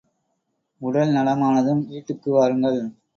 உடல் நலமானதும் வீட்டுக்கு வாருங்கள்.